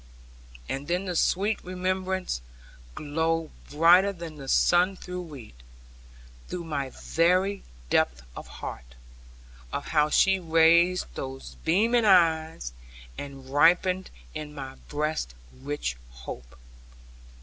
And then the sweet remembrance glowed brighter than the sun through wheat, through my very depth of heart, of how she raised those beaming eyes, and ripened in my breast rich hope.